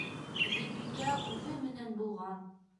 Иҙелбикә үҙе менән булған.